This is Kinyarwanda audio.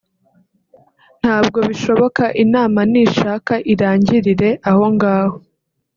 ntabwo bishoboka inama nishaka irangirire ahongaho